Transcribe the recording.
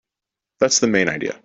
That's the main idea.